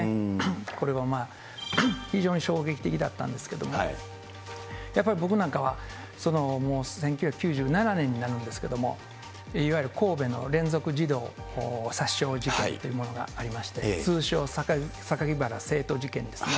これはまあ、非常に衝撃的だったんですけども、やっぱり僕なんかは、１９９７年になるんですけれども、いわゆる神戸の連続児童殺傷事件というものがありまして、通称、酒鬼薔薇聖斗事件ですね。